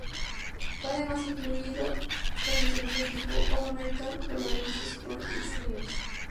Fue además incluido en el segundo equipo All-American por la revista Sporting News.